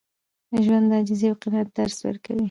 ژوند د عاجزۍ او قناعت درس ورکوي.